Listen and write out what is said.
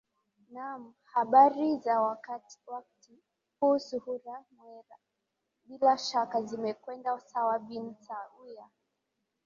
naam habari za wakti huu suhura mwera bila shaka zimekwenda sawa bin sawia